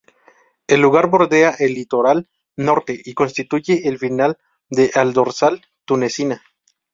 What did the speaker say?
El lugar bordea el litoral norte y constituye el final de al Dorsal tunecina.